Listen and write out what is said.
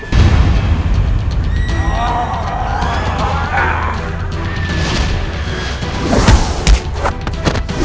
datang kakak baru